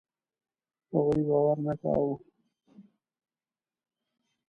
هغوی باور نه کاوه.